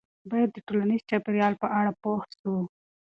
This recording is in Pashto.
باید د ټولنیز چاپیریال په اړه پوه سو.